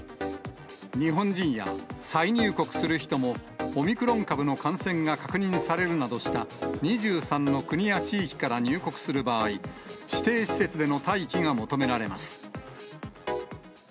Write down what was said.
日本人や再入国する人もオミクロン株の感染が確認されるなどした２３の国や地域から入国する場合、指定施設での待機が求められます。